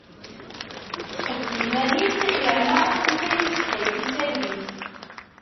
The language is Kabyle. Teqbel iman-is, yerna tufa yid-s tayri d talwit.